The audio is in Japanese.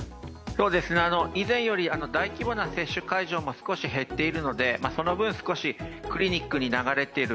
以前より大規模な接種会場も少し減っているのでその分、少しクリニックに流れている。